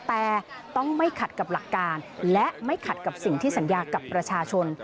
แต่ต้องไม่ขัดกับหลักการและไม่ขัดกับสิ่งที่สัญญากับประชาชน